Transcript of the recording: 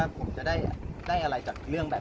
พี่พอแล้วพี่พอแล้ว